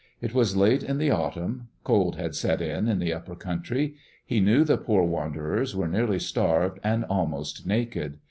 It was late in the autumn. Cold had set in, in the upper country. He knew the poor wanderers were nearly starved and almost naked.